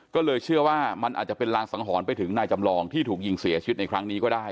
ก็เลยเชื่อว่ามันอาจจะเป็นรางสังหรณ์ไปถึงนายจำลองที่ถูกยิงเสียชีวิตในครั้งนี้ก็ได้